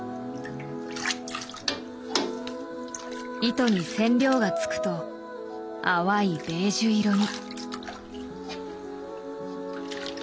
糸に染料がつくと淡いベージュ色に。